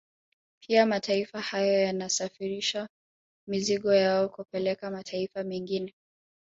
Pia mataifa hayo yanasafirisha mizigo yao kupeleka mataifa mengine